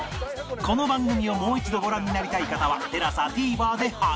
この番組をもう一度ご覧になりたい方は ＴＥＬＡＳＡＴＶｅｒ で配信